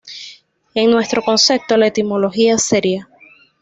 En nuestro concepto, la etimología sería.